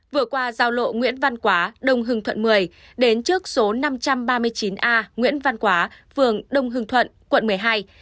vừa qua giao lộ nguyễn văn quá đông hưng thuận một mươi đến trước số năm trăm ba mươi chín a nguyễn văn quá phường đông hưng thuận quận một mươi hai